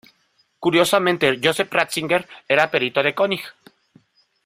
Curiosamente Joseph Ratzinger era perito de König.